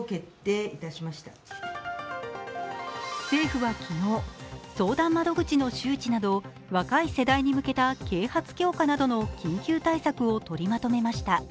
政府は昨日、相談窓口の周知など若い世代に向けた啓発強化などの緊急対策を取りまとめました。